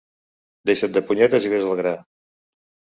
Deixa't de punyetes i ves al gra.